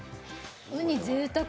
うに、ぜいたく。